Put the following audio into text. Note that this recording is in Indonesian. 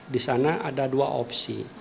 disana ada dua opsi